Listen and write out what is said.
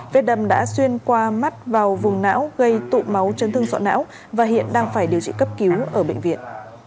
vết đâm đã xuyên qua mắt vào vùng não gây tụ máu chấn thương sọ não và hiện đang phải điều trị cấp cứu ở bệnh viện